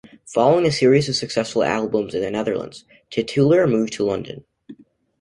Following a series of successful albums in the Netherlands, Titulaer moved to London.